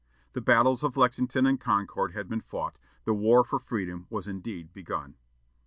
The battles of Lexington and Concord had been fought; the War for Freedom was indeed begun.